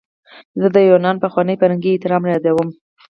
زه د یونان پخوانی فرهنګي احترام رایادوم.